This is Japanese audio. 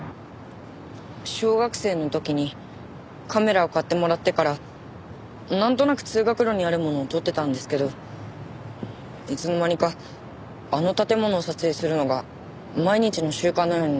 小学生の時にカメラを買ってもらってからなんとなく通学路にあるものを撮ってたんですけどいつの間にかあの建物を撮影するのが毎日の習慣のようになってて。